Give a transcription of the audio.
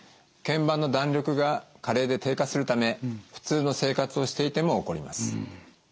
腱板の弾力が加齢で低下するため普通の生活をしていても起こります。